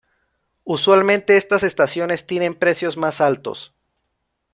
Usualmente estas estaciones tienen precios más altos.